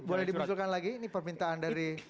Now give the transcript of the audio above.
boleh dimunculkan lagi ini permintaan dari